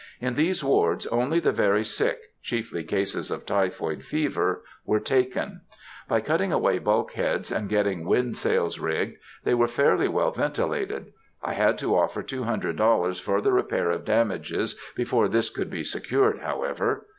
In these wards only the very sick—chiefly cases of typhoid fever—were taken. By cutting away bulkheads, and getting wind sails rigged, they were fairly well ventilated. I had to offer $200 for the repair of damages before this could be secured, however.